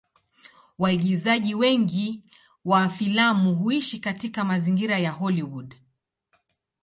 Waigizaji wengi wa filamu huishi katika mazingira ya Hollywood.